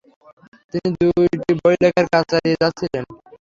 তিনি দু্ইটি বই লেখার কাজ চালিয়ে যাচ্ছিলেন।